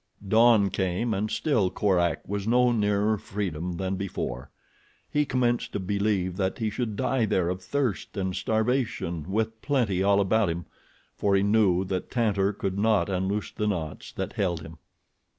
Dawn came, and still Korak was no nearer freedom than before. He commenced to believe that he should die there of thirst and starvation with plenty all about him, for he knew that Tantor could not unloose the knots that held him.